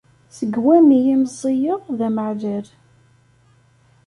Seg wami i meẓẓiyeɣ, d amaɛlal.